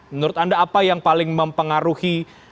menurut anda apa yang paling mempengaruhi